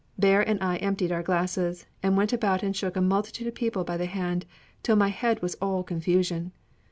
Bear and I emptied our glasses, and went about and shook a multitude of people by the hand, till my head was all confusion.